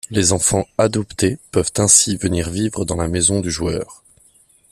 Les enfants adoptés peuvent ainsi venir vivre dans la maison du joueur.